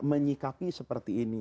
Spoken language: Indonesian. menyikapi seperti ini